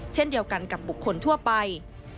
เช่นเดียวกันกับบุคคลทั่วไป